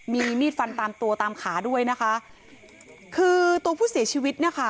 มีมีดฟันตามตัวตามขาด้วยนะคะคือตัวผู้เสียชีวิตเนี่ยค่ะ